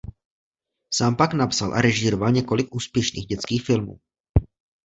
Sám pak napsal a režíroval několik úspěšných dětských filmů.